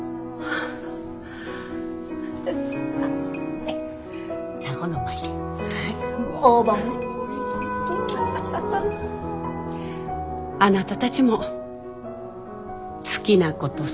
あなたたちも好きなことしなさいね。